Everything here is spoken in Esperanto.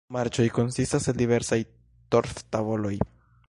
Marĉo konsistas el diversaj torf-tavoloj.